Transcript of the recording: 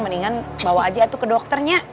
mendingan bawa aja tuh ke dokternya